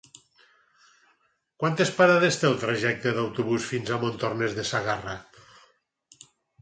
Quantes parades té el trajecte en autobús fins a Montornès de Segarra?